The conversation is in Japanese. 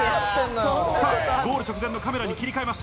ゴール直前のカメラに切り替えます。